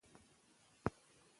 دوړې منظم پاکې کړئ.